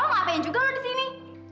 ngapain juga lo disini